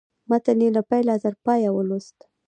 متن یې له پیله تر پایه ولوست.